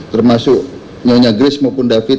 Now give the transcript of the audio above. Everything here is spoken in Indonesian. termasuk nyonya grace maupun david